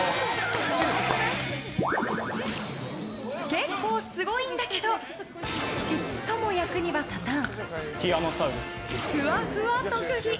結構すごいんだけどちっとも役には立たんふわふわ特技。